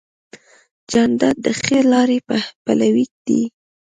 جانداد د ښې لارې پلوی دی.